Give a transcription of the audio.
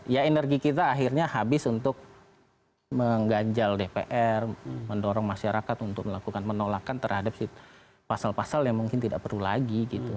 ya energi kita akhirnya habis untuk mengganjal dpr mendorong masyarakat untuk melakukan penolakan terhadap pasal pasal yang mungkin tidak perlu lagi gitu